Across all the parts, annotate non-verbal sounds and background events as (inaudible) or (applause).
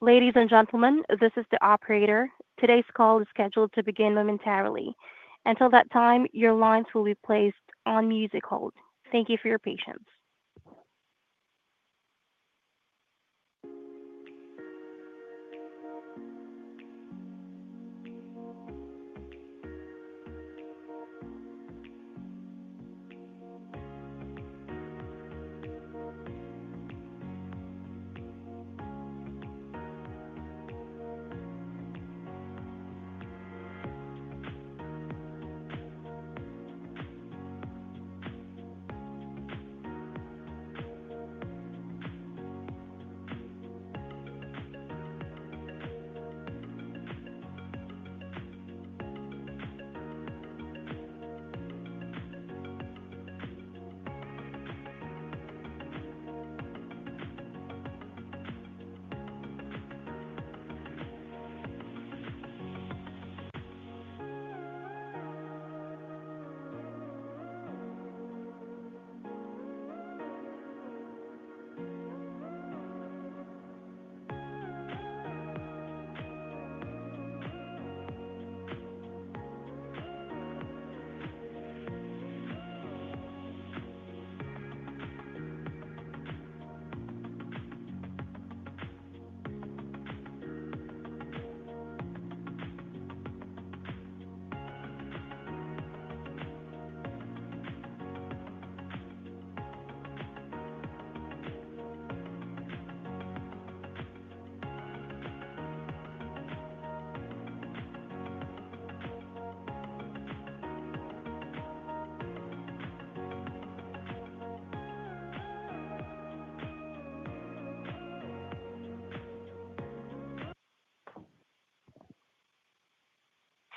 Ladies and gentlemen, this is the operator. Today's call is scheduled to begin momentarily. Until that time, your lines will be placed on music hold. Thank you for your patience.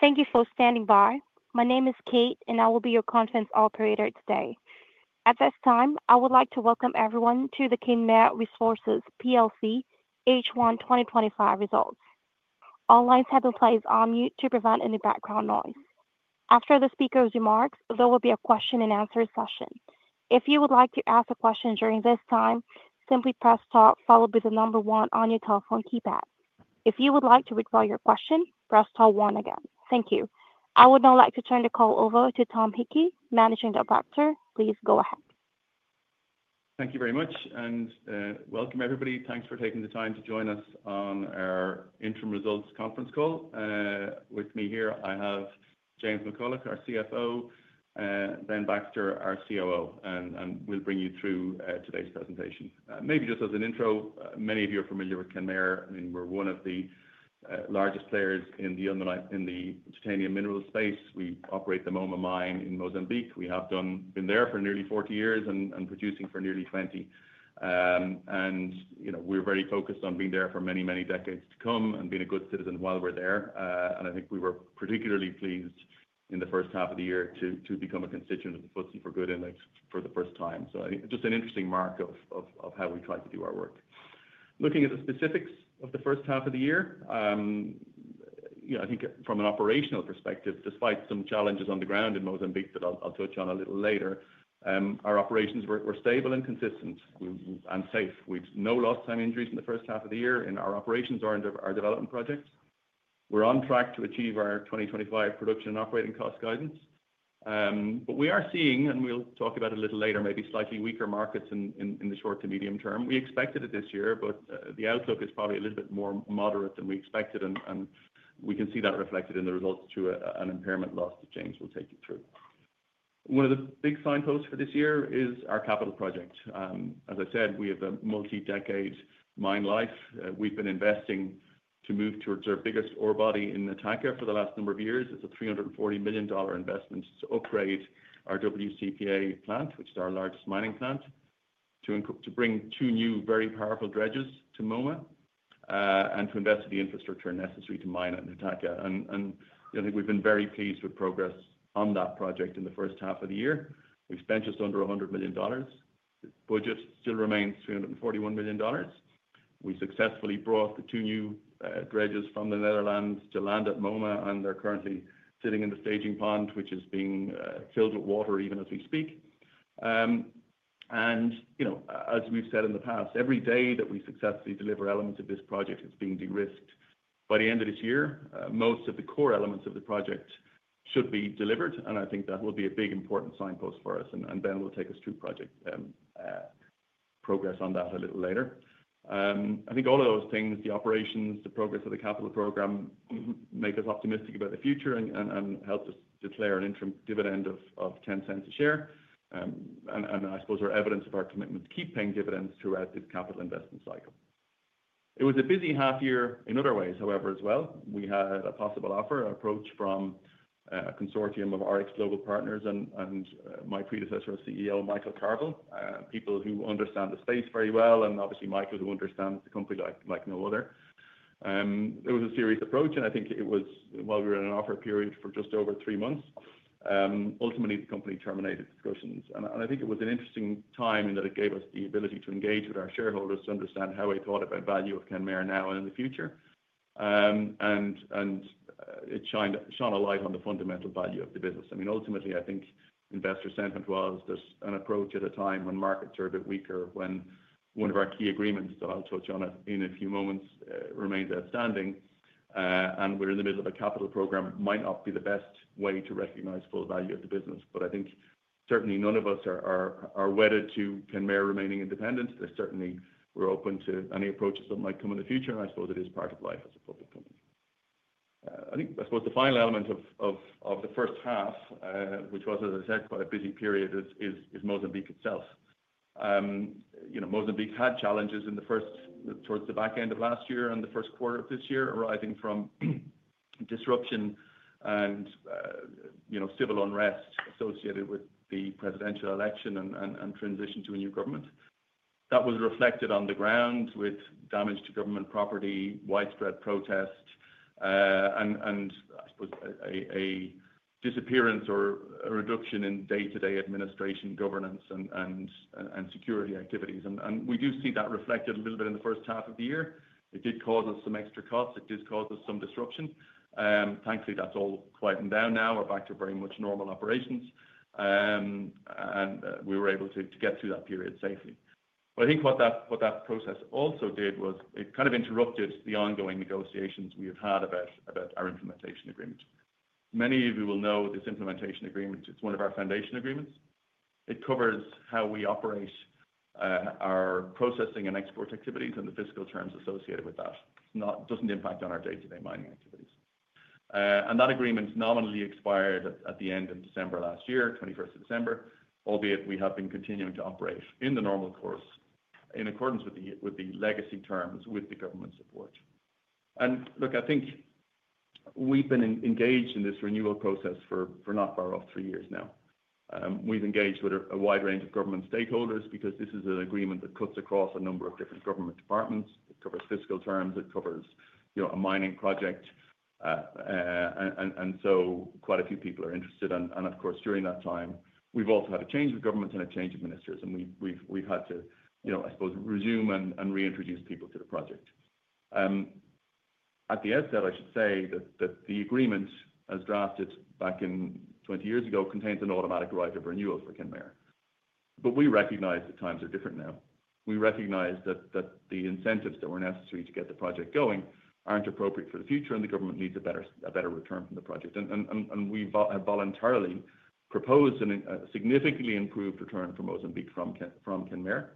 Thank you for standing by. My name is Kate, and I will be your conference operator today. At this time, I would like to welcome everyone to the Kenmare Resources PLC H1 2025 Results. All lines have been placed on mute to prevent any background noise. After the speaker's remarks, there will be a question-and-answer session. If you would like to ask a question during this time, simply press star, followed by the number one on your telephone keypad. If you would like to withdraw your question, press star one again. Thank you. I would now like to turn the call over to Tom Hickey, Managing Director. Please go ahead. Thank you very much, and welcome everybody. Thanks for taking the time to join us on our interim results conference call. With me here, I have James McCullough, our CFO, and Ben Baxter, our COO, and we'll bring you through today's presentation. Maybe just as an intro, many of you are familiar with Kenmare. I mean, we're one of the largest players in the titanium mineral space. We operate the Moma Mine in Mozambique. We have been there for nearly 40 years and producing for nearly 20. We're very focused on being there for many, many decades to come and being a good citizen while we're there. I think we were particularly pleased in the first half of the year to become a constituent of the FTSE4Good Index for the first time. It's just an interesting mark of how we try to do our work. Looking at the specifics of the first half of the year, I think from an operational perspective, despite some challenges on the ground in Mozambique that I'll touch on a little later, our operations were stable and consistent and safe. We had no lost time injuries in the first half of the year in our operations or in our development projects. We're on track to achieve our 2025 production and operating cost guidance. We are seeing, and we'll talk about it a little later, maybe slightly weaker markets in the short to medium term. We expected it this year, but the outlook is probably a little bit more moderate than we expected, and we can see that reflected in the results through an impairment loss that James will take you through. One of the big signposts for this year is our capital project. As I said, we have a multi-decade mine life. We've been investing to move towards our biggest ore body in the Nataka for the last number of years. It's a $340 million investment to upgrade our WCP A plant, which is our largest mining plant, to bring two new, very powerful dredges to Moma and to invest in the infrastructure necessary to mine in the Nataka. I think we've been very pleased with progress on that project in the first half of the year. We've spent just under $100 million. The budget still remains $341 million. We successfully brought the two new dredges from the Netherlands to land at Moma, and they're currently sitting in the staging pond, which is being filled with water even as we speak. As we've said in the past, every day that we successfully deliver elements of this project is being de-risked. By the end of this year, most of the core elements of the project should be delivered, and I think that will be a big important signpost for us. Ben will take us through project progress on that a little later. I think all of those things, the operations, the progress of the capital program, make us optimistic about the future and help us declare an interim dividend of $0.10 a share. I suppose our evidence of our commitment to keep paying dividends throughout this capital investment cycle. It was a busy half year in other ways as well. We had a possible offer approach from a consortium of Oryx Global Partners and my predecessor, CEO Michael Carvill, people who understand the space very well, and obviously Michael who understands the company like no other. It was a serious approach, and I think it was while we were in an offer period for just over three months. Ultimately, the company terminated discussions. I think it was an interesting time in that it gave us the ability to engage with our shareholders to understand how we thought about the value of Kenmare now and in the future. It shone a light on the fundamental value of the business. I mean, ultimately, I think investor sentiment was there's an approach at a time when markets are a bit weaker, when one of our key agreements, I'll touch on it in a few moments, remains outstanding. We're in the middle of a capital program, might not be the best way to recognize full value of the business. I think certainly none of us are wedded to Kenmare remaining independent. We're open to any approaches that might come in the future. I suppose it is part of life as a public company. I think the final element of the first half, which was, as I said, quite a busy period, is Mozambique itself. Mozambique had challenges towards the back end of last year and the first quarter of this year, arising from disruption and civil unrest associated with the presidential election and transition to a new government. That was reflected on the ground with damage to government property, widespread protest, and a disappearance or a reduction in day-to-day administration, governance, and security activities. We do see that reflected a little bit in the first half of the year. It did cause us some extra costs. It did cause us some disruption. Thankfully, that's all quietened down now. We're back to very much normal operations, and we were able to get through that period safely. I think what that process also did was it kind of interrupted the ongoing negotiations we have had about our implementation agreement. Many of you will know this implementation agreement. It's one of our foundation agreements. It covers how we operate our processing and export activities and the fiscal terms associated with that. It doesn't impact on our day-to-day mining activities. That agreement nominally expired at the end of December last year, 21st of December, albeit we have been continuing to operate in the normal course in accordance with the legacy terms with the government support. I think we've been engaged in this renewal process for not far off three years now. We've engaged with a wide range of government stakeholders because this is an agreement that cuts across a number of different government departments. It covers fiscal terms. It covers a mining project. Quite a few people are interested. During that time, we've also had a change of governments and a change of Ministers. We've had to, I suppose, resume and reintroduce people to the project. At the outset, I should say that the agreement, as drafted back 20 years ago, contains an automatic right of renewal for Kenmare. We recognize that times are different now. We recognize that the incentives that were necessary to get the project going aren't appropriate for the future, and the government needs a better return from the project. We have voluntarily proposed a significantly improved return for Mozambique from Kenmare.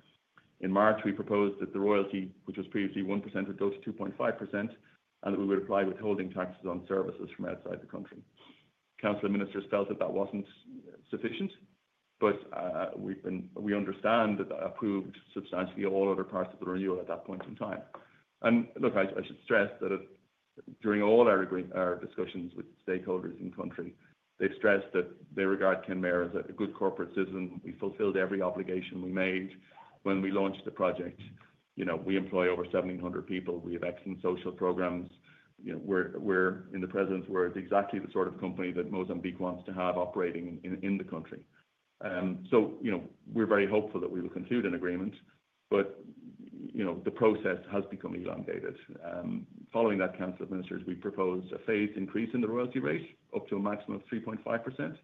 In March, we proposed that the royalty, which was previously 1%, would go to 2.5% and that we would apply withholding taxes on services from outside the country. Council of Ministers felt that that wasn't sufficient, but we understand that that approved substantially all other parts of the renewal at that point in time. I should stress that during all our discussions with stakeholders in the country, they've stressed that they regard Kenmare as a good corporate citizen. We fulfilled every obligation we made when we launched the project. We employ over 1,700 people. We have excellent social programs. We're in the presence where it's exactly the sort of company that Mozambique wants to have operating in the country. We're very hopeful that we will conclude an agreement. The process has become elongated. Following that, Council of Ministers, we proposed a phased increase in the royalty rate up to a maximum of 3.5%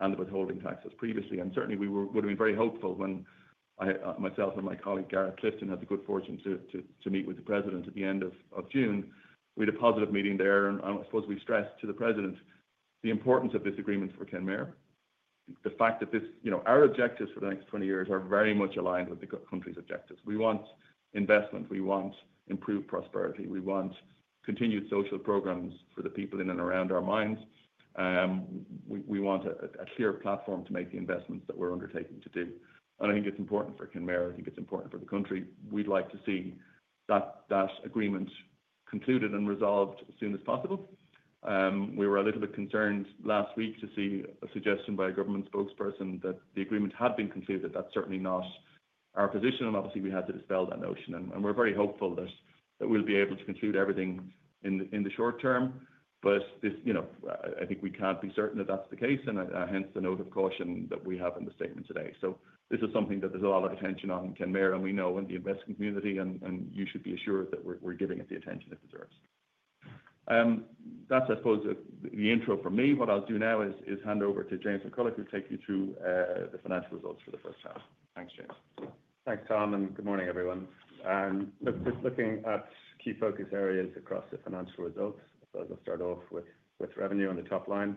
and the withholding taxes previously. Certainly, we would have been very hopeful when I, myself, and my colleague Gareth Clifton had the good fortune to meet with the President at the end of June. We had a positive meeting there, and I suppose we stressed to the President the importance of this agreement for Kenmare. The fact that this, our objectives for the next 20 years are very much aligned with the country's objectives. We want investment. We want improved prosperity. We want continued social programs for the people in and around our mines. We want a clear platform to make the investments that we're undertaking to do. I think it's important for Kenmare. I think it's important for the country. We'd like to see that agreement concluded and resolved as soon as possible. We were a little bit concerned last week to see a suggestion by a government spokesperson that the agreement had been concluded. That's certainly not our position. Obviously, we had to dispel that notion. We're very hopeful that we'll be able to conclude everything in the short-term. This, I think we can't be certain that that's the case. Hence the note of caution that we have in the statement today. This is something that there's a lot of attention on in Kenmare. We know in the investment community, and you should be assured that we're giving it the attention it deserves. That's, I suppose, the intro from me. What I'll do now is hand over to James McCullough to take you through the financial results for the first half. Thanks, James. Thanks, Tom, and good morning, everyone. Just looking at key focus areas across the financial results, I'll start off with revenue on the top line.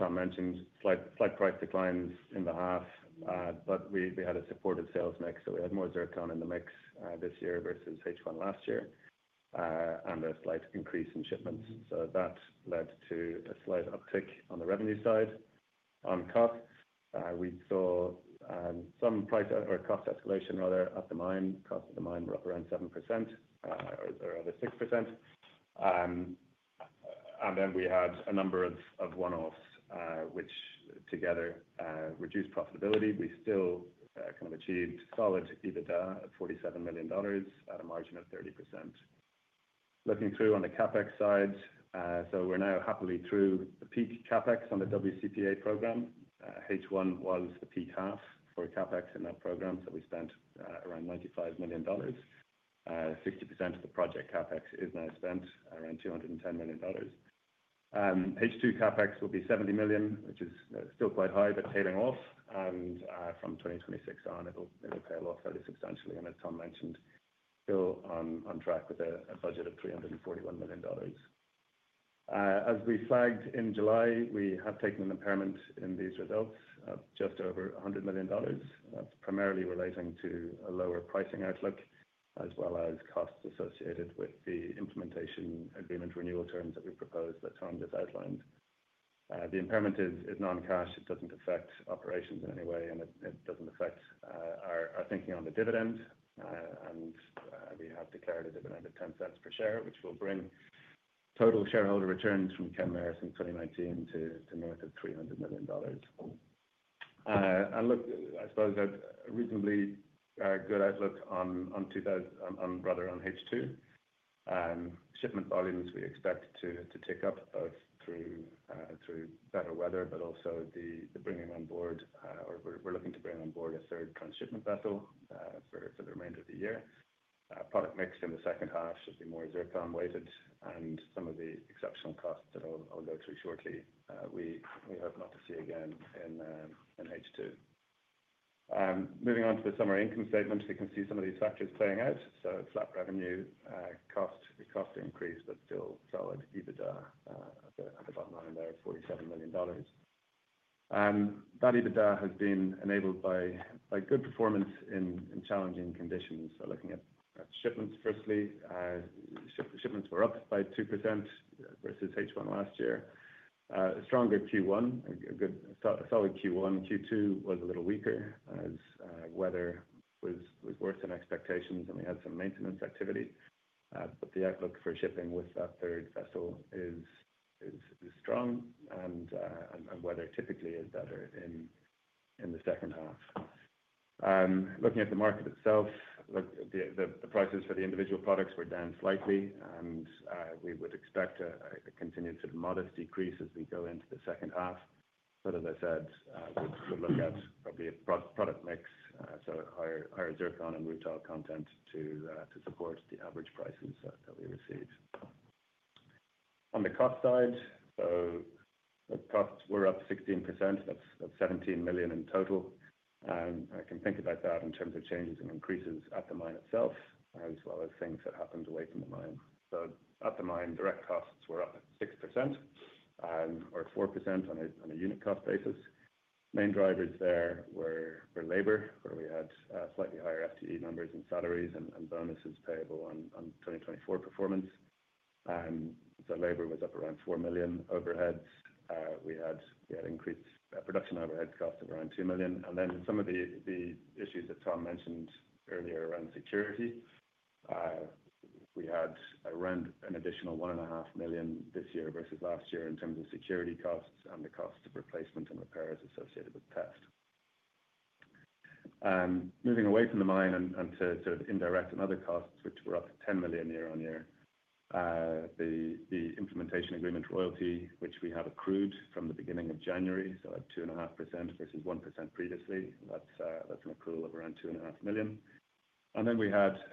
Tom mentioned slight price declines in the half, but we had a supportive sales mix. We had more zircon in the mix this year versus H1 last year, and a slight increase in shipments. That led to a slight uptick on the revenue side. On costs, we saw some price or cost escalation, rather, at the mine. Costs at the mine were up around 7% or 6%. We had a number of one-offs, which together reduced profitability. We still kind of achieved solid EBITDA of $47 million at a margin of 30%. Looking through on the CapEx side, we're now happily through the peak CapEx on the WCP A program. H1 was the peak half for CapEx in that program. We spent around $95 million. 60% of the project CapEx is now spent, around $210 million. H2 CapEx will be $70 million, which is still quite high, but tailing off. From 2026 on, it'll tail off fairly substantially. As Tom mentioned, still on track with a budget of $341 million. As we flagged in July, we have taken an impairment in these results of just over $100 million. That's primarily relating to a lower pricing outlook, as well as costs associated with the implementation agreement renewal terms that we've proposed that Tom just outlined. The impairment is non-cash. It doesn't affect operations in any way, and it doesn't affect our thinking on the dividend. We have declared a dividend of $0.10 per share, which will bring total shareholder returns from Kenmare since 2019 to north of $300 million. I suppose a reasonably good outlook on H2. Shipment volumes we expect to tick up through better weather, but also the bringing on board, or we're looking to bring on board, a third transshipment vessel for the remainder of the year. Product mix in the second half should be more zircon-weighted, and some of the exceptional costs that I'll go through shortly, we hope not to see again in H2. Moving on to the summary income statements, we can see some of these factors playing out. Flat revenue, cost, the cost increase, but still solid EBITDA at the bottom line in there of $47 million. That EBITDA has been enabled by good performance in challenging conditions. Looking at shipments firstly, shipments were up by 2% versus H1 last year. A stronger Q1, a good solid Q1. Q2 was a little weaker as weather was worse than expectations, and we had some maintenance activity. The outlook for shipping with that third vessel is strong, and weather typically is better in this second half. Looking at the market itself, the prices for the individual products were down slightly, and we would expect a continued sort of modest decrease as we go into the second half. As I said, we'll look at probably a product mix, so higher zircon and retail content to support the average prices that we receive. On the cost side, the costs were up 16%. That's $17 million in total. I can think about that in terms of changes and increases at the mine itself, as well as things that happened away from the mine. At the mine, direct costs were up 6% or 4% on a unit cost basis. Main drivers there were labor, where we had slightly higher FTE numbers and salaries and bonuses payable on 2024 performance. Labor was up around $4 million. Overheads, we had increased production overhead costs of around $2 million. Some of the issues that Tom mentioned earlier around security, we had around an additional $1.5 million this year versus last year in terms of security costs and the costs of replacement and repairs associated with the test. Moving away from the mine and to indirect and other costs, which were up $10 million year on year, the implementation agreement royalty, which we have accrued from the beginning of January, at 2.5% versus 1% previously, that's an accrual of around $2.5 million.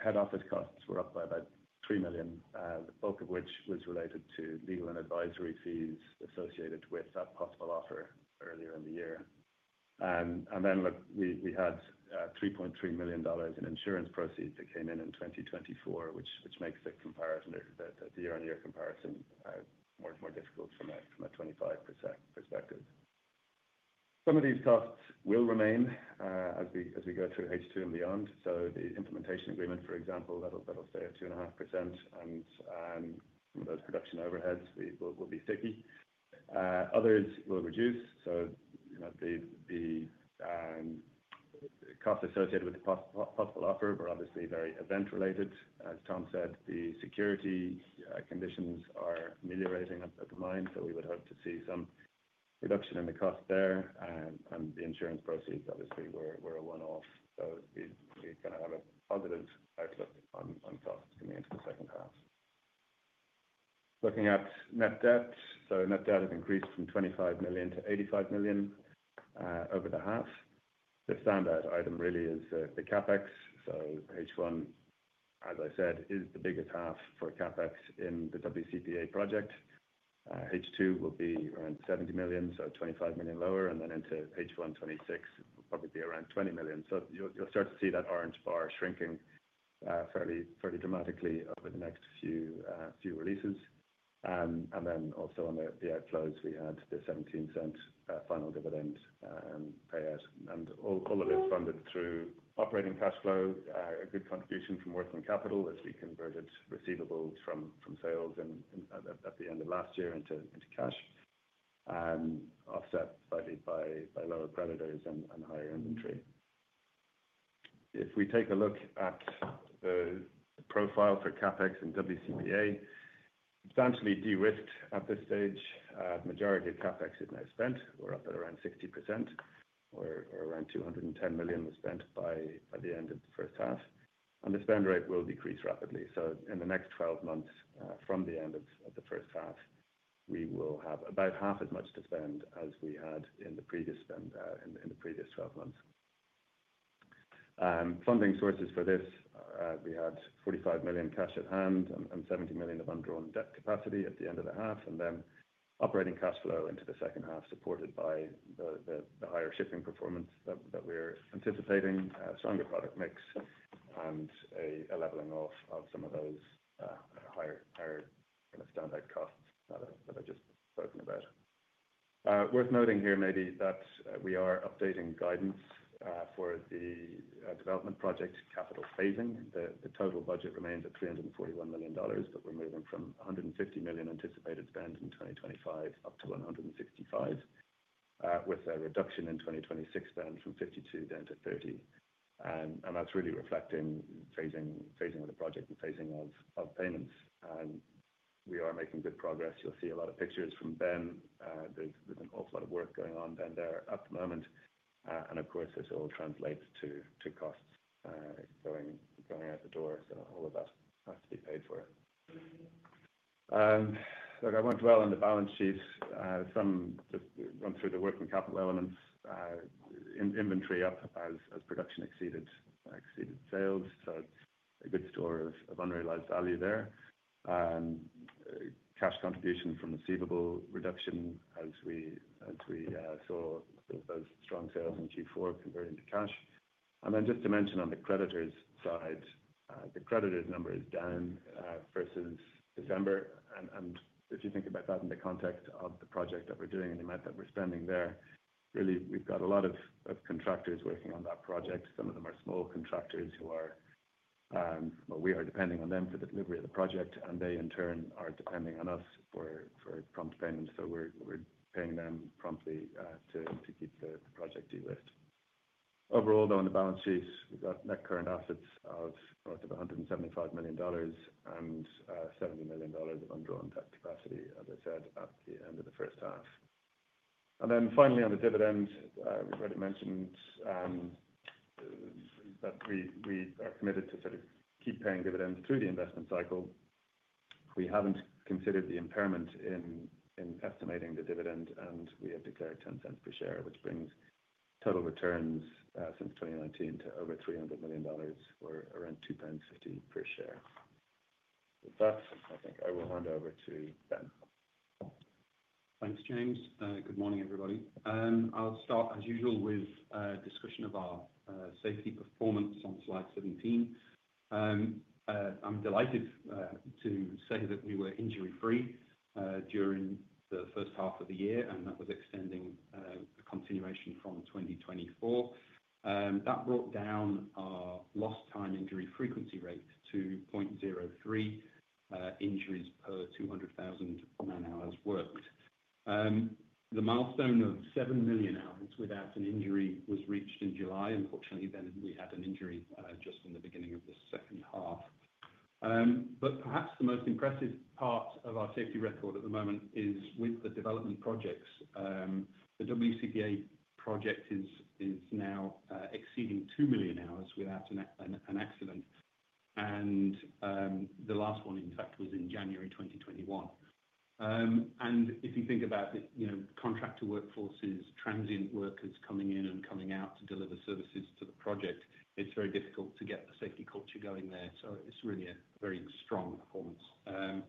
Head office costs were up by about $3 million, the bulk of which was related to legal and advisory fees associated with that possible offer earlier in the year. We had $3.3 million in insurance proceeds that came in in 2024, which makes the year-on-year comparison more difficult from a 25% perspective. Some of these costs will remain as we go through H2 and beyond. The implementation agreement, for example, that'll stay at 2.5%, and some of those production overheads will be sticky. Others will reduce. The costs associated with the possible offer were obviously very event-related. As Tom said, the security conditions are ameliorating at the mine, so we would hope to see some reduction in the cost there. The insurance proceeds, obviously, were a one-off. You kind of have a positive outlook on costs coming into the second half. Looking at net debt, net debt has increased from $25 million to $85 million over the half. The standard item really is the CapEx. H1, as I said, is the biggest half for CapEx in the WCP A project. H2 will be around $70 million, $25 million lower. Into H1 2026, it'll probably be around $20 million. You'll start to see that orange bar shrinking fairly dramatically over the next few releases. Also on the outflows, we had the $0.17 final dividend payout. All of this funded through operating cash flow, a good contribution from working capital as we converted receivables from sales at the end of last year into cash, offset slightly by lower creditors and higher inventory. If we take a look at the profile for CapEx and WCP A, substantially de-risked at this stage. The majority of CapEx is now spent. We're up at around 60%, or around $210 million was spent by the end of the first half. The spend rate will decrease rapidly. In the next 12 months from the end of the first half, we will have about half as much to spend as we had in the previous 12 months. Funding sources for this, we had $45 million cash at hand and $70 million of undrawn debt capacity at the end of the half. Operating cash flow into the second half is supported by the higher shipping performance that we're anticipating, a stronger product mix, and a leveling off of some of those higher standard costs that I've just spoken about. Worth noting here maybe that we are updating guidance for the development project capital phasing. The total budget remains at $341 million, but we're moving from $150 million anticipated spend in 2025 up to $165 million, with a reduction in 2026 spend from $52 million down to $30 million. That's really reflecting the phasing of the project and phasing of payments. We are making good progress. You'll see a lot of pictures from Ben. There's an awful lot of work going on Ben there at the moment. Of course, this all translates to costs going out the door. All of that has to be paid for. That went well on the balance sheet. I've just gone through the working capital elements. Inventory up as production exceeded sales. It's a good store of unrealized value there. Cash contribution from receivable reduction as we saw those strong sales in Q4 converting to cash. Just to mention on the creditors' side, the creditors' number is down versus December. If you think about that in the context of the project that we're doing and the amount that we're spending there, really, we've got a lot of contractors working on that project. Some of them are small contractors who are, well, we are depending on them for the delivery of the project, and they in turn are depending on us for prompt payments. We're paying them promptly to keep the project de-risked. Overall, on the balance sheet, we've got net current assets of $175 million and $70 million of undrawn debt capacity, as I said, at the end of the first half. Finally, on the dividend, we've already mentioned that we are committed to sort of keep paying dividends through the investment cycle. We haven't considered the impairment in estimating the dividend, and we have declared $0.10 per share, which brings total returns since 2019 to over $300 million, or around $2.50 per share. With that, I think I will hand over to Ben. Thanks, James. Good morning, everybody. I'll start, as usual, with a discussion of our safety performance on slide 17. I'm delighted to say that we were injury-free during the first half of the year, and that was extending the continuation from 2024. That brought down our lost time injury frequency rate to 0.03 injuries per 200,000 man-hours worked. The milestone of 7 million hours without an injury was reached in July. Unfortunately, we had an injury just from the beginning of the second half. Perhaps the most impressive part of our safety record at the moment is with the development projects. The WCP A project is now exceeding 2 million hours without an accident. The last one, in fact, was in January 2021. If you think about it, contractor workforces, transient workers coming in and coming out to deliver services to the project, it's very difficult to get the safety culture going there. It's really a very strong performance.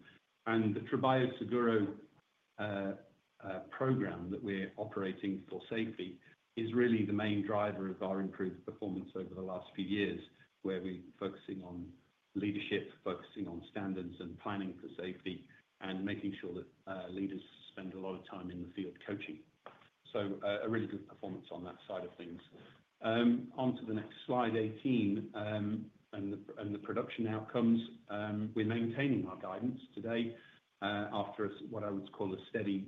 The (inaudible) program that we're operating for safety is really the main driver of our improved performance over the last few years, where we're focusing on leadership, focusing on standards and planning for safety, and making sure that leaders spend a lot of time in the field coaching. A really good performance on that side of things. Onto the next slide, 18 and the production outcomes. We're maintaining our guidance today after what I would call a steady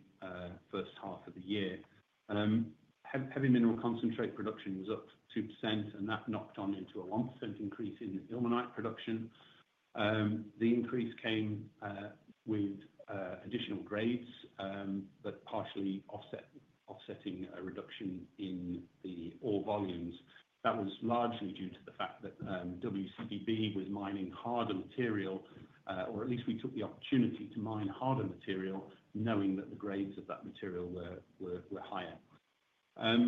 first half of the year. Heavy mineral concentrate production was up 2%, and that knocked on into a 1% increase in the ilmenite production. The increase came with additional grades, but partially offsetting a reduction in the ore volumes. That was largely due to the fact that WCP B was mining harder material, or at least we took the opportunity to mine harder material knowing that the grades of that material were higher.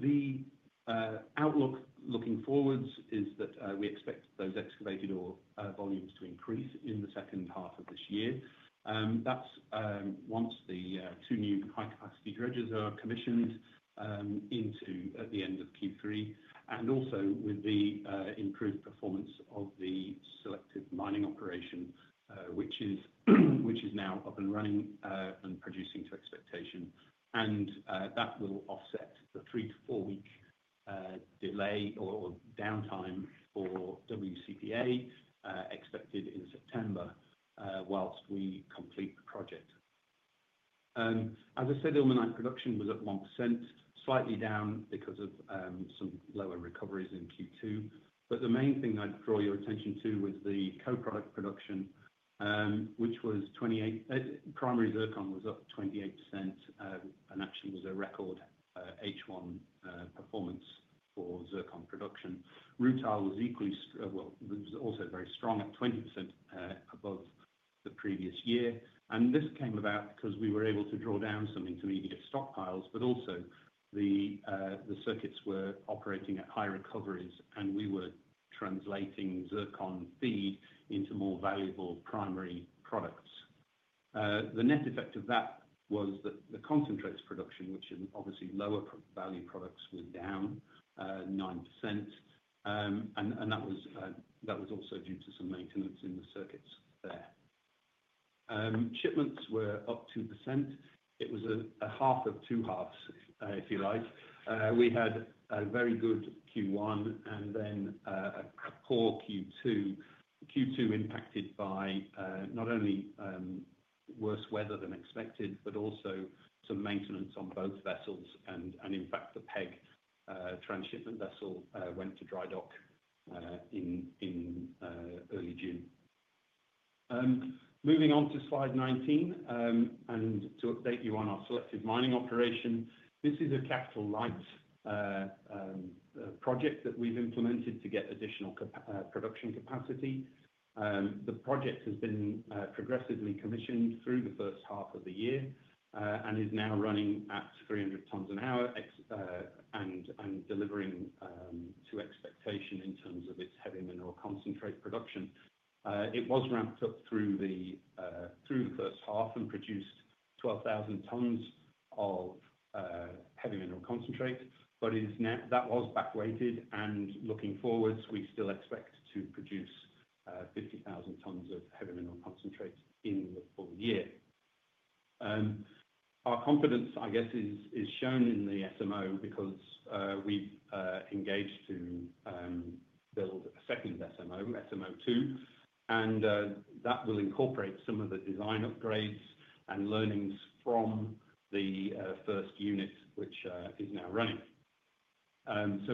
The outlook looking forwards is that we expect those excavated ore volumes to increase in the second half of this year. That's once the two new high-capacity dredges are commissioned at the end of Q3, and also with the improved performance of the selective mining operation, which is now up and running and producing to expectation. That will offset the three to four-week delay or downtime for WCP A expected in September whilst we complete the project. As I said, ilmenite production was at 1%, slightly down because of some lower recoveries in Q2. The main thing I'd draw your attention to was the co-product production, which was 28%. Primary zircon was up 28% and actually was a record H1 performance for zircon production. Rutile was also very strong at 20% above the previous year. This came about because we were able to draw down some intermediate stockpiles, but also the circuits were operating at high recoveries, and we were translating zircon feed into more valuable primary products. The net effect of that was that the concentrates production, which are obviously lower value products, were down 9%. That was also due to some maintenance in the circuits there. Shipments were up 2%. It was a half of two halves, if you like. We had a very good Q1 and then a poor Q2. Q2 was impacted by not only worse weather than expected, but also some maintenance on both vessels. In fact, the Peg transshipment vessel went to dry dock in early June. Moving on to slide 19 and to update you on our selective mining operation, this is a capital-light project that we've implemented to get additional production capacity. The project has been progressively commissioned through the first half of the year and is now running at 300 tons an hour and delivering to expectation in terms of its heavy mineral concentrate production. It was ramped up through the first half and produced 12,000 tons of heavy mineral concentrate, but that was back weighted. Looking forwards, we still expect to produce 50,000 tons of heavy mineral concentrate in the full year. Our confidence, I guess, is shown in the SMO because we've engaged to build a second SMO, SMO 2, and that will incorporate some of the design upgrades and learnings from the first unit, which is now running.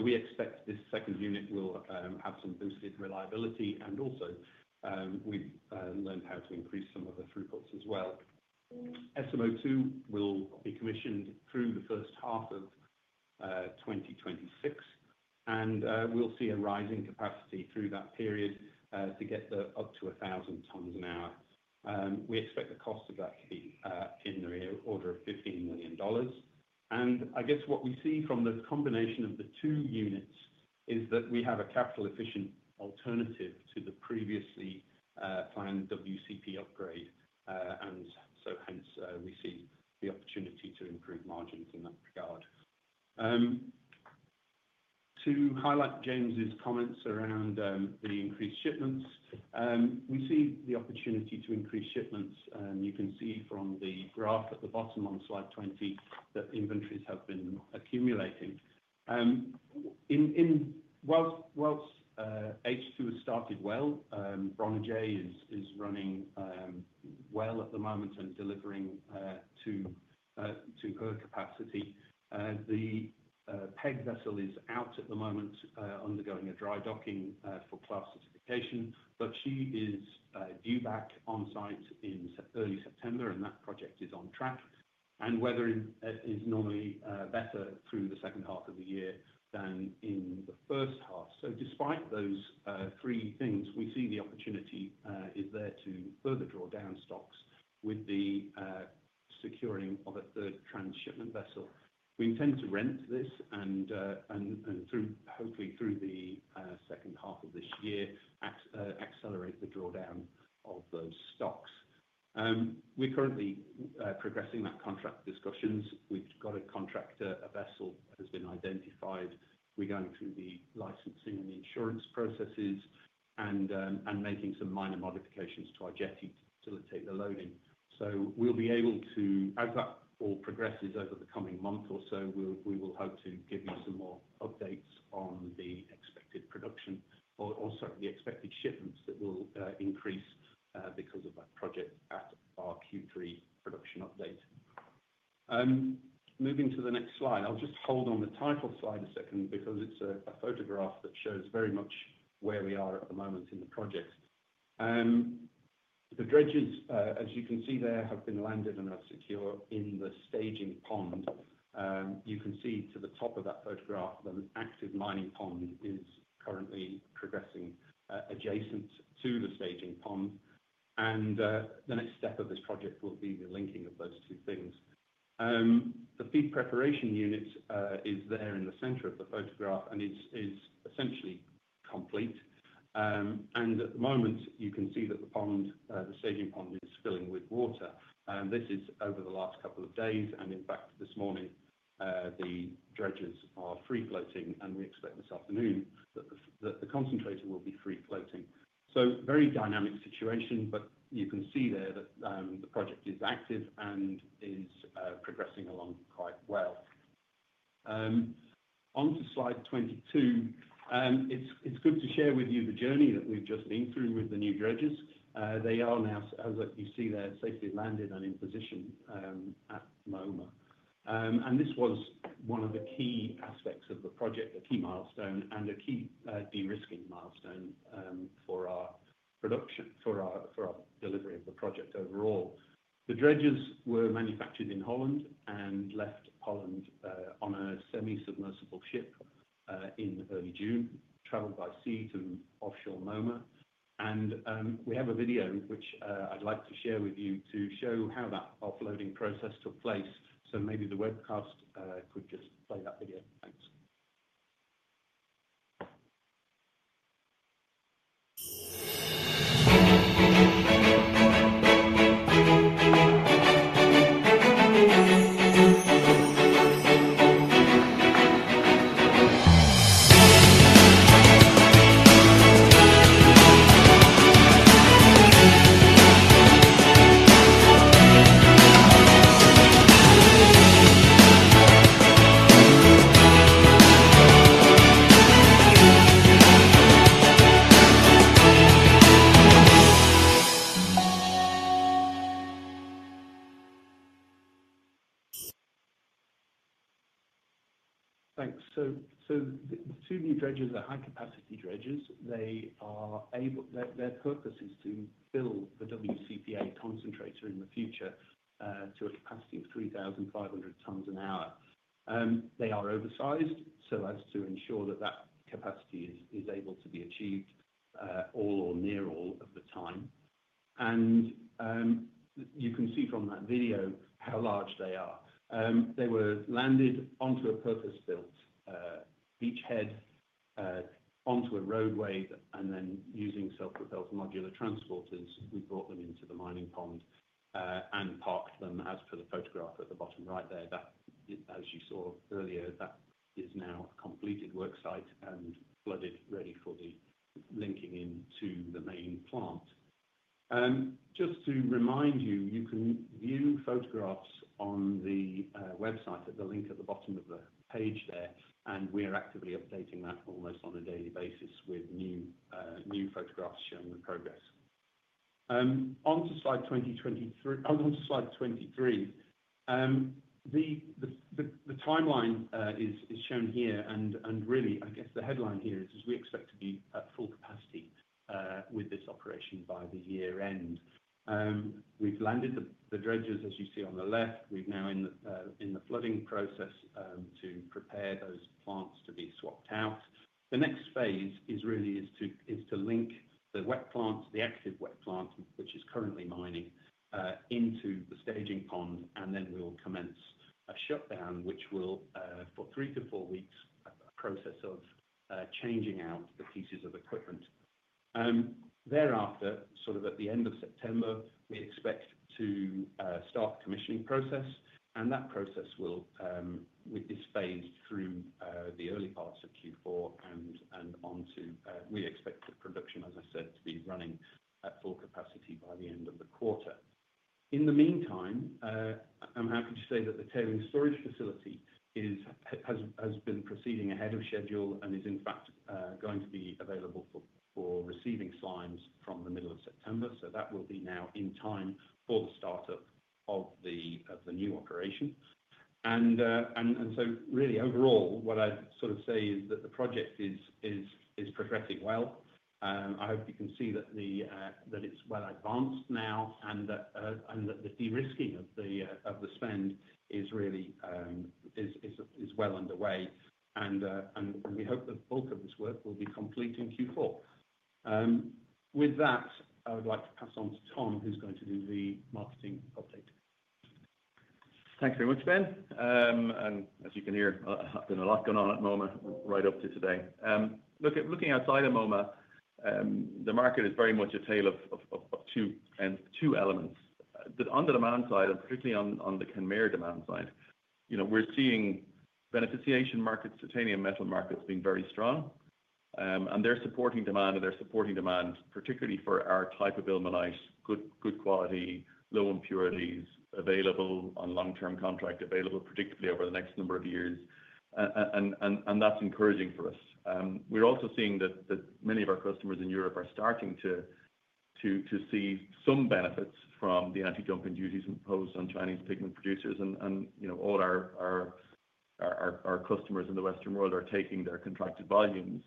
We expect this second unit will have some boosted reliability. We learned how to increase some of the throughputs as well. SMO 2 will be commissioned through the first half of 2026, and we'll see a rising capacity through that period to get up to 1,000 tons an hour. We expect the cost of that to be in the order of $15 million. What we see from this combination of the two units is that we have a capital-efficient alternative to the previously planned WCP A upgrade. Hence, we see the opportunity to improve margins in that regard. To highlight James's comments around the increased shipments, we see the opportunity to increase shipments. You can see from the graph at the bottom on slide 20 that inventories have been accumulating. Whilst H2 has started well, Bronagh J is running well at the moment and delivering to incur capacity. The Peg vessel is out at the moment, undergoing a dry docking for class certification. She is due back on site in early September, and that project is on track. Weather is normally better through the second half of the year than in the first half. Despite those three things, we see the opportunity is there to further draw down stocks with the securing of a third transshipment vessel. We intend to rent this and hopefully through the second half of this year accelerate the drawdown of those stocks. We're currently progressing that contract discussions. We've got a contractor, a vessel that has been identified. We're going through the licensing and insurance processes and making some minor modifications to our jetty to facilitate the loading. We'll be able to add that or progress this over the coming month or so, and we will hope to give you some more updates on the expected production or, sorry, the expected shipments that will increase because of that project at our Q3 production update. Moving to the next slide, I'll just hold on the title slide a second because it's a photograph that shows very much where we are at the moment in the project. The dredges, as you can see there, have been landed and are secure in the staging pond. You can see to the top of that photograph that an active mining pond is currently progressing adjacent to the staging pond. The next step of this project will be the linking of those two things. The feed preparation unit is there in the center of the photograph and is essentially complete. At the moment, you can see that the staging pond is filling with water. This is over the last couple of days. In fact, this morning, the dredges are free-floating, and we expect this afternoon that the concentrator will be free-floating. It is a very dynamic situation, but you can see there that the project is active and is progressing along quite well. Onto slide 22, it's good to share with you the journey that we've just been through with the new dredges. They are now, as you see there, safely landed and in position at Moma. This was one of the key aspects of the project, a key milestone, and a key de-risking milestone for our delivery of the project overall. The dredges were manufactured in Holland and left Holland on a semi-submersible ship in early June, traveled by sea to offshore Moma. We have a video which I'd like to share with you to show how that offloading process took place. Maybe the webcast could just play that video. Thanks. the dredges, as you see on the left. We're now in the flooding process to prepare those plants to be swapped out. The next phase is really to link the wet plants, the active wet plant, which is currently mining, into the staging pond. We'll commence a shutdown, which will, for three to four weeks, be a process of changing out the pieces of equipment. Thereafter, at the end of September, we expect to start the commissioning process. That process will be phased through the early parts of Q4 and onto. We expect the production, as I said, to be running at full capacity by the end of the quarter. In the meantime, I'm happy to say that the tailings storage facility has been proceeding ahead of schedule and is, in fact, going to be available for receiving signs from the middle of September. That will be now in time for the startup of the new operation. Overall, what I sort of say is that the project is progressing well. I hope you can see that it's well-advanced now and that the de-risking of the spend is really well underway. We hope the bulk of this work will be complete in Q4. With that, I would like to pass on to Tom, who's going to do the marketing update. Thanks very much, Ben. As you can hear, there's a lot going on at Moma right up to today. Looking outside of Moma, the market is very much a tale of two elements. The under-demand side, and particularly on the Kenmare demand side, we're seeing beneficiation markets, titanium metal markets being very strong. They're supporting demand, and they're supporting demand, particularly for our type of ilmenite, good quality, low impurities, available on long-term contract, available predictably over the next number of years. That's encouraging for us. We're also seeing that many of our customers in Europe are starting to see some benefits from the anti-dumping duties imposed on Chinese pigment producers. All our customers in the Western world are taking their contracted volumes,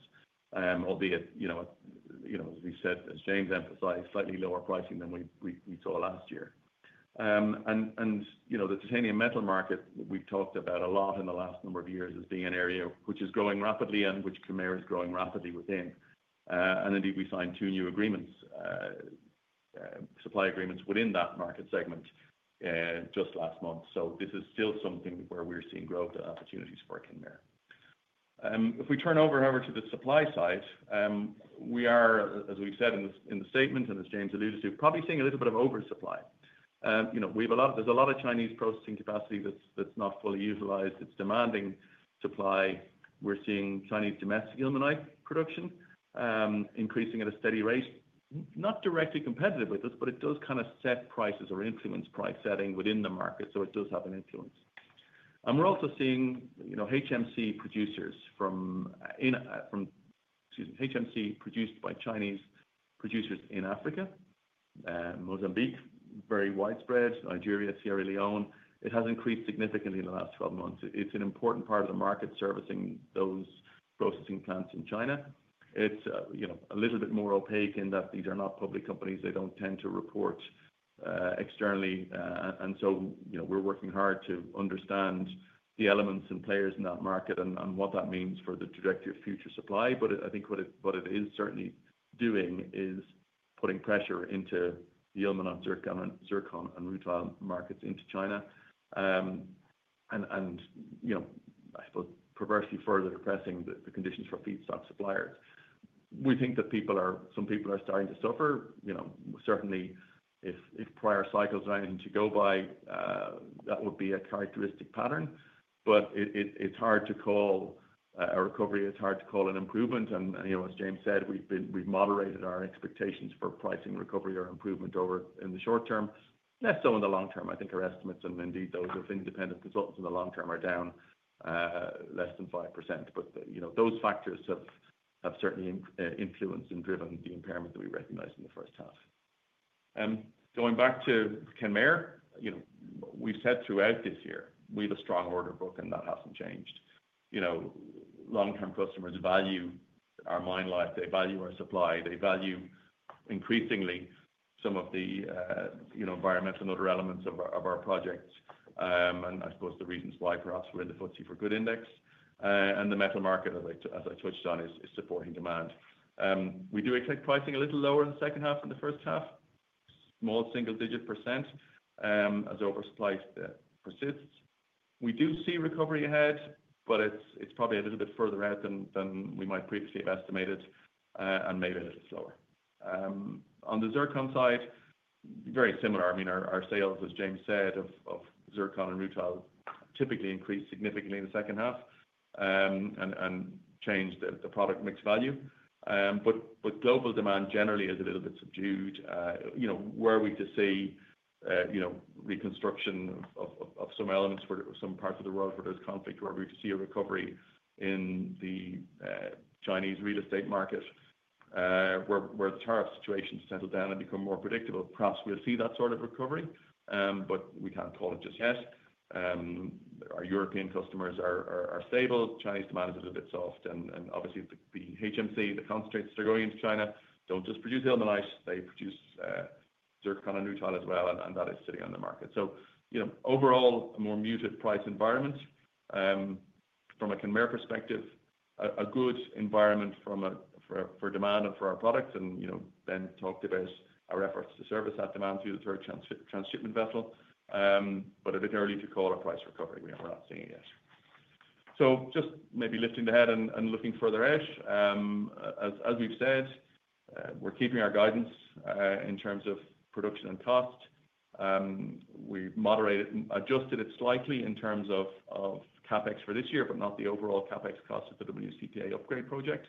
albeit, as we said, as James emphasized, slightly lower pricing than we saw last year. The titanium metal market we've talked about a lot in the last number of years as being an area which is growing rapidly and which Kenmare is growing rapidly within. Indeed, we signed two new supply agreements within that market segment just last month. This is still something where we're seeing growth and opportunities working there. If we turn over, however, to the supply side, we are, as we've said in the statement and as James alluded to, probably seeing a little bit of oversupply. There's a lot of Chinese processing capacity that's not fully utilized. It's demanding supply. We're seeing Chinese domestic ilmenite production increasing at a steady rate, not directly competitive with us, but it does kind of set prices or influence price setting within the market. It does have an influence. We're also seeing HMC produced by Chinese producers in Africa, Mozambique, very widespread, Nigeria, Sierra Leone. It has increased significantly in the last 12 months. It's an important part of the market servicing those processing plants in China. It's a little bit more opaque in that these are not public companies. They don't tend to report externally. We're working hard to understand the elements and players in that market and what that means for the trajectory of future supply. I think what it is certainly doing is putting pressure into the ilmenite, zircon, and rutile markets into China. I suppose perversely further depressing the conditions for feedstock suppliers. We think that people are, some people are starting to suffer. Certainly, if prior cycles are anything to go by, that would be a characteristic pattern. It's hard to call a recovery. It's hard to call an improvement. As James said, we've moderated our expectations for pricing recovery or improvement in the short-term, less so in the long-term. I think our estimates, and indeed those of independent consultants in the long-term, are down less than 5%. Those factors have certainly influenced and driven the impairment that we recognized in the first half. Going back to Kenmare, we've said throughout this year, we have a strong order book, and that hasn't changed. Long-term customers value our mine life. They value our supply. They value increasingly some of the environmental and other elements of our projects. I suppose the reasons why perhaps we're in the FTSE4Good Index. The metal market, as I touched on, is supporting demand. We do expect pricing a little lower in the second half than the first half, small single-digit percent, as oversupply persists. We do see recovery ahead, but it's probably a little bit further out than we might previously have estimated and maybe a little slower. On the zircon side, very similar. Our sales, as James said, of zircon and rutile typically increase significantly in the second half and change the product mix value. Global demand generally is a little bit subdued. Were we to see reconstruction of some elements or some parts of the world where there's conflict, where we could see a recovery in the Chinese real estate market, where the tariff situation has settled down and become more predictable, perhaps we'll see that sort of recovery. We can't call it just yet. Our European customers are stable. Chinese demand is a little bit soft. Obviously, the HMC, the concentrates that are going into China don't just produce ilmenite. They produce zircon and rutile as well, and that is sitting on the market. Overall, a more muted price environment from a Kenmare perspective, a good environment for demand and for our products. Ben talked about our efforts to service that demand through the third transshipment vessel. A bit early to call a price recovery. We're not seeing it yet. Maybe lifting the head and looking further out. As we've said, we're keeping our guidance in terms of production and cost. We moderated and adjusted it slightly in terms of CapEx for this year, but not the overall CapEx cost of the WCP A upgrade project.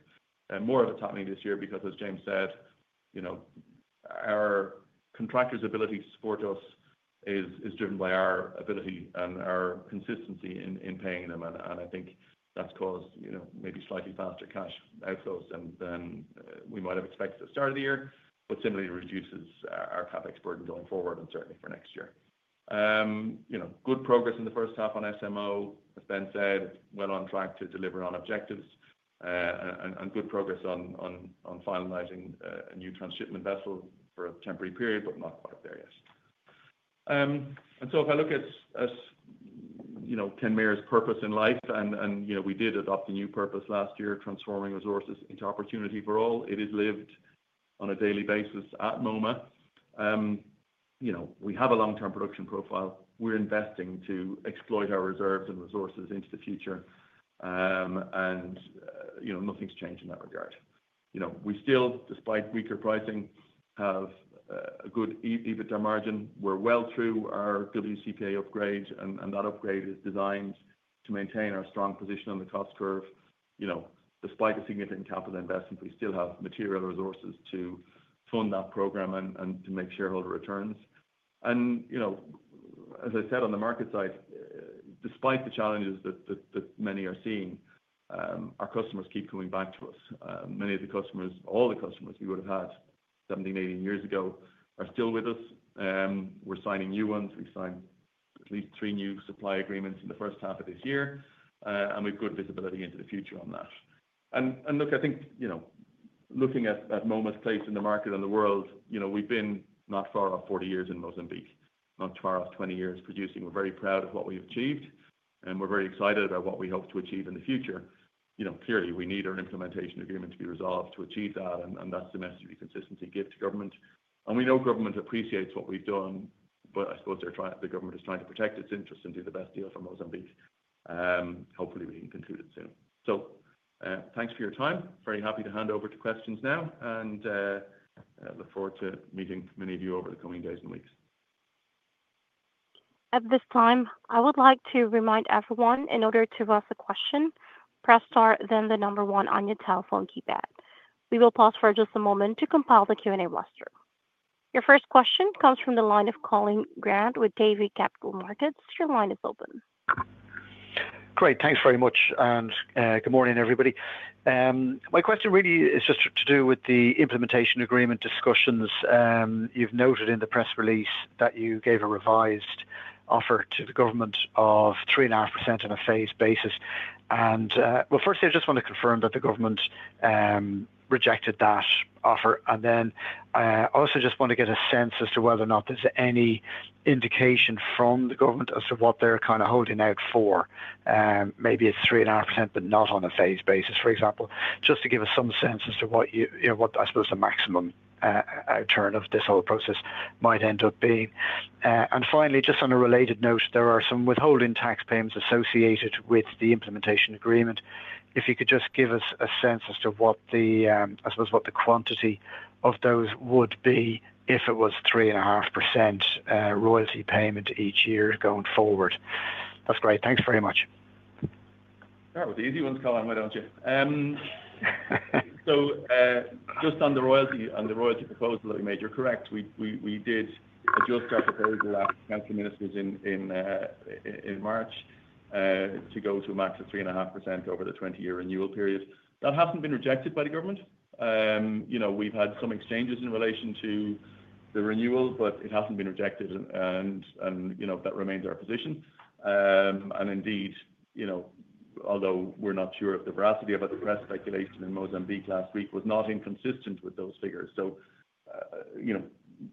It's more of a tough thing this year because, as James said, our contractors' ability to support us is driven by our ability and our consistency in paying them. I think that's caused maybe slightly faster cash outflows than we might have expected at the start of the year, but similarly reduces our CapEx burden going forward and certainly for next year. Good progress in the first half on SMO, as Ben said, well on track to deliver on objectives, and good progress on finalizing a new transshipment vessel for a temporary period, but not quite there yet. If I look at Kenmare's purpose in life, we did adopt a new purpose last year, transforming resources into opportunity for all. It is lived on a daily basis at Moma. We have a long-term production profile. We're investing to exploit our reserves and resources into the future. Nothing's changed in that regard. We still, despite weaker pricing, have a good EBITDA margin. We're well through our WCP A upgrade, and that upgrade is designed to maintain our strong position on the cost curve. Despite a significant capital investment, we still have material resources to fund that program and to make shareholder returns. As I said on the market side, despite the challenges that many are seeing, our customers keep coming back to us. Many of the customers, all the customers we would have had 70 million years ago are still with us. We're signing new ones. We've signed at least three new supply agreements in the first half of this year, and we've good visibility into the future on that. Looking at Moma's place in the market and the world, we've been not far off 40 years in Mozambique, not far off 20 years producing. We're very proud of what we've achieved, and we're very excited about what we hope to achieve in the future. Clearly, we need our implementation agreement to be resolved to achieve that, and that's the message we consistently give to government. We know government appreciates what we've done, but I suppose the government is trying to protect its interests and do the best deal for Mozambique. Hopefully, we can conclude it soon. Thanks for your time. Very happy to hand over to questions now. I look forward to meeting many of you over the coming days and weeks. At this time, I would like to remind everyone, in order to ask a question, press star then the number one on your telephone keypad. We will pause for just a moment to compile the Q&A roster. Your first question comes from the line of Colin Grant with Davy Capital Markets. Your line is open. Great. Thanks very much, and good morning, everybody. My question really is just to do with the implementation agreement discussions. You've noted in the press release that you gave a revised offer to the government of 3.5% on a phased basis. Firstly, I just want to confirm that the government rejected that offer. I also just want to get a sense as to whether or not there's any indication from the government as to what they're kind of holding out for. Maybe it's 3.5%, but not on a phased basis, for example, just to give us some sense as to what you know, what I suppose the maximum outturn of this whole process might end up being. Finally, just on a related note, there are some withholding tax payments associated with the implementation agreement. If you could just give us a sense as to what the, I suppose, what the quantity of those would be if it was 3.5% royalty payment each year going forward. That's great. Thanks very much. All right. The easy one's calling, why don't you? Just on the royalty proposal that we made, you're correct. We did adjust our proposal at the Council of Ministers in March to go to a max of 3.5% over the 20-year renewal period. That hasn't been rejected by the government. We've had some exchanges in relation to the renewal, but it hasn't been rejected, and that remains our position. Indeed, although we're not sure of the veracity of it, the press speculation in Mozambique last week was not inconsistent with those figures.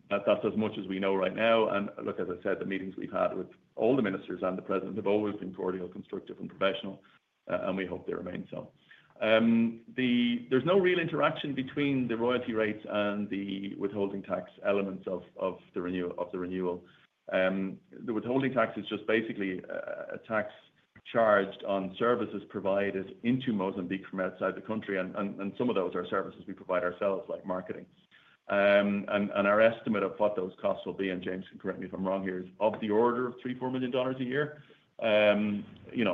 That's as much as we know right now. As I said, the meetings we've had with all the Ministers and the President have always been cordial, constructive, and professional, and we hope they remain so. There's no real interaction between the royalty rates and the withholding tax elements of the renewal. The withholding tax is just basically a tax charged on services provided into Mozambique from outside the country. Some of those are services we provide ourselves, like marketing. Our estimate of what those costs will be, and James can correct me if I'm wrong here, is of the order of $3 million or $4 million a year.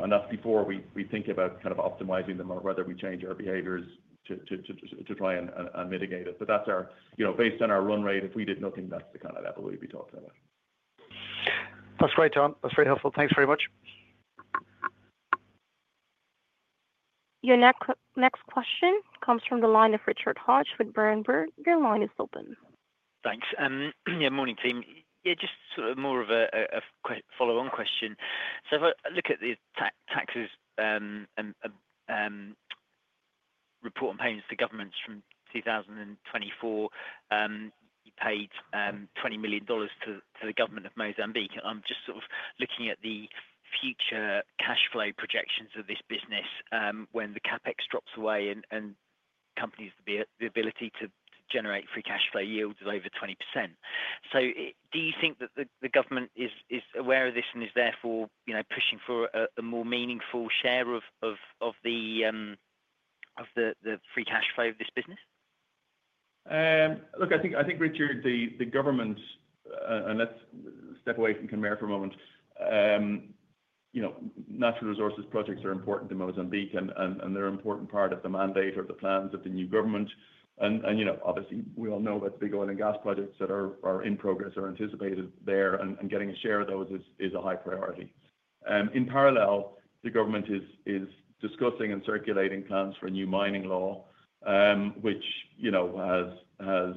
That's before we think about kind of optimizing them or whether we change our behaviors to try and mitigate it. That's our, based on our run rate, if we did nothing, that's the kind of level we'd be talking about. That's great, Tom. That's very helpful. Thanks very much. Your next question comes from the line of Richard Hatch with Berenberg. Your line is open. Thanks. Yeah, morning, team. Just sort of more of a follow-on question. If I look at the taxes and reporting payments to governments from 2024, you paid $20 million to the government of Mozambique. I'm just sort of looking at the future cash flow projections of this business when the CapEx drops away and companies have the ability to generate free cash flow yields of over 20%. Do you think that the government is aware of this and is therefore pushing for a more meaningful share of the free cash flow of this business? Look, I think Richard, the government, and let's step away from Kenmare for a moment. You know, natural resources projects are important to Mozambique, and they're an important part of the mandate or the plans of the new government. You know, obviously, we all know about the big oil and gas projects that are in progress or anticipated there, and getting a share of those is a high priority. In parallel, the government is discussing and circulating plans for a new mining law, which, you know, has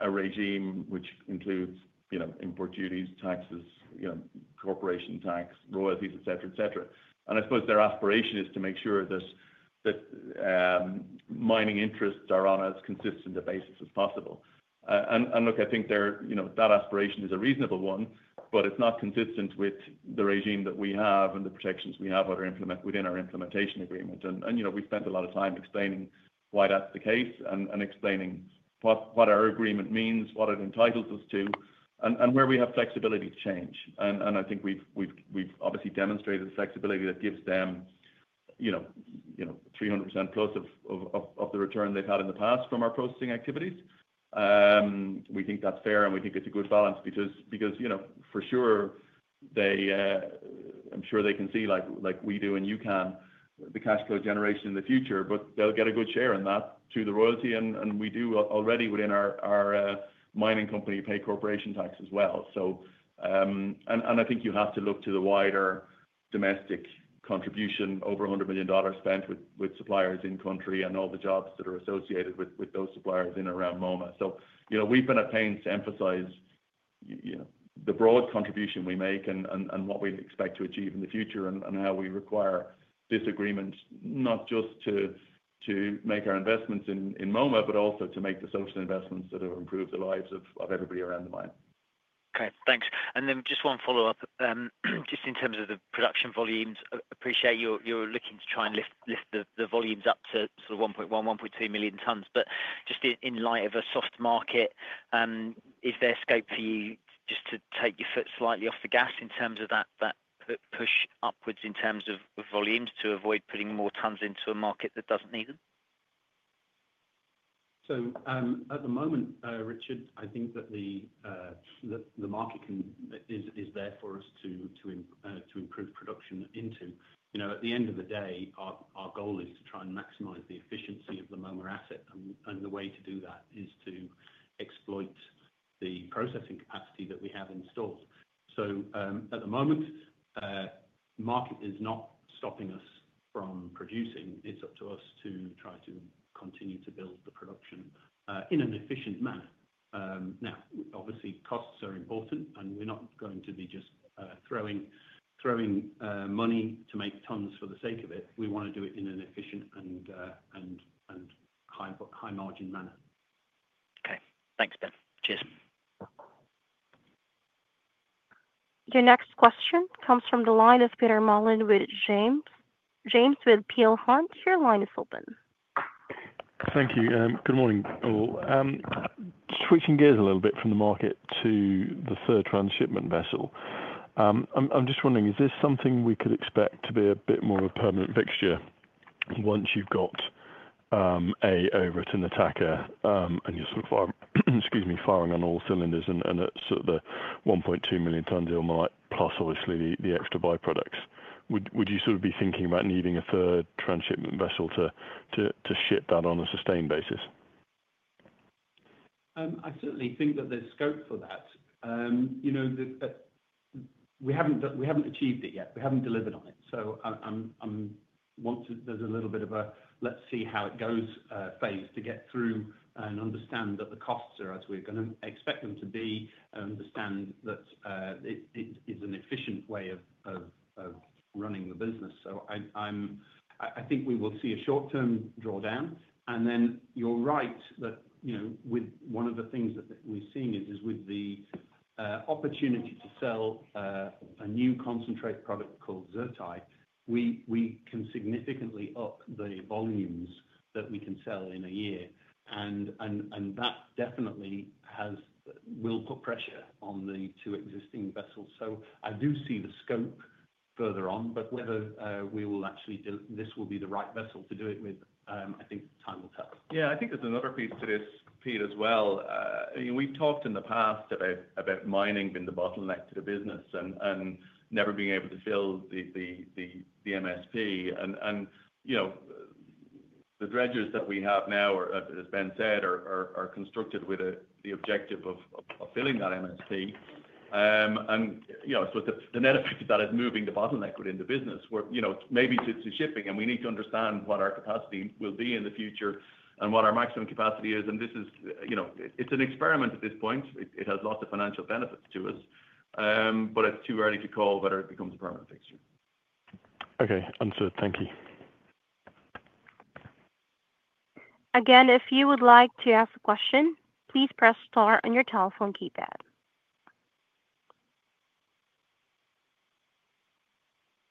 a regime which includes, you know, import duties, taxes, corporation tax, royalties, etc., etc. I suppose their aspiration is to make sure that mining interests are on as consistent a basis as possible. I think that aspiration is a reasonable one, but it's not consistent with the regime that we have and the protections we have within our implementation agreement. You know, we spent a lot of time explaining why that's the case and explaining what our agreement means, what it entitles us to, and where we have flexibility to change. I think we've obviously demonstrated the flexibility that gives them 300%+ of the return they've had in the past from our processing activities. We think that's fair, and we think it's a good balance because, for sure, I'm sure they can see, like we do and you can, the cash flow generation in the future, but they'll get a good share in that through the royalty. We do already within our mining company pay corporation tax as well. I think you have to look to the wider domestic contribution, over $100 million spent with suppliers in country and all the jobs that are associated with those suppliers in and around Moma. You know, we've been at pains to emphasize the broad contribution we make and what we expect to achieve in the future and how we require this agreement, not just to make our investments in Moma, but also to make the social investments that have improved the lives of everybody around the mine. Great. Thanks. Just one follow-up, just in terms of the production volumes. I appreciate you're looking to try and lift the volumes up to 1.1 million tons, 1.2 million tons. Just in light of a soft market, is there scope for you to take your foot slightly off the gas in terms of that push upwards in terms of volumes to avoid putting more tons into a market that doesn't need them? At the moment, Richard, I think that the market is there for us to improve production into. At the end of the day, our goal is to try and maximize the efficiency of the Moma asset. The way to do that is to exploit the processing capacity that we have installed. At the moment, the market is not stopping us from producing. It's up to us to try to continue to build the production in an efficient manner. Obviously, costs are important, and we're not going to be just throwing money to make tons for the sake of it. We want to do it in an efficient and high-margin manner. Okay. Thanks, Ben. Cheers. Your next question comes from the line of [Pete Mullen with James. James with Peel Hunt], your line is open. Thank you. Good morning, all. Switching gears a little bit from the market to the third transshipment vessel. I'm just wondering, is this something we could expect to be a bit more of a permanent fixture once you've got an over-attained target and you're firing on all cylinders and at the 1.2 million tons of ilmenite, plus obviously the extra byproducts? Would you be thinking about needing a third transshipment vessel to ship that on a sustained basis? I certainly think that there's scope for that. We haven't achieved it yet. We haven't delivered on it. There's a little bit of a "let's see how it goes" phase to get through and understand that the costs are as we're going to expect them to be and understand that it is an efficient way of running the business. I think we will see a short-term drawdown. You're right that one of the things that we've seen is with the opportunity to sell a new concentrate product called ZrTi, we can significantly up the volumes that we can sell in a year. That definitely will put pressure on the two existing vessels. I do see the scope further on, but whether we will actually do it, this will be the right vessel to do it with, I think time will tell. Yeah, I think there's another piece to this, Pete, as well. We've talked in the past about mining being the bottleneck to the business and never being able to fill the MSP. The dredges that we have now, as Ben said, are constructed with the objective of filling that MSP. I suppose the net effect of that is moving the bottleneck within the business, where maybe it's shipping, and we need to understand what our capacity will be in the future and what our maximum capacity is. This is an experiment at this point. It has lots of financial benefits to us, but it's too early to call whether it becomes a permanent fixture. Okay. Understood. Thank you. Again, if you would like to ask a question, please press star on your telephone keypad.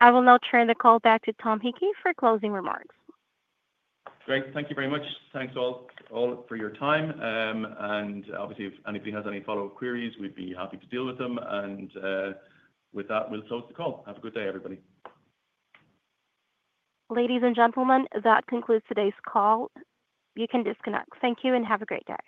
I will now turn the call back to Tom Hickey for closing remarks. Great. Thank you very much. Thanks all for your time. Obviously, if anybody has any follow-up queries, we'd be happy to deal with them. With that, we'll close the call. Have a good day, everybody. Ladies and gentlemen, that concludes today's call. You can disconnect. Thank you and have a great day.